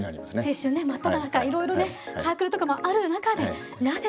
青春ね真っただ中いろいろねサークルとかもある中でなぜ。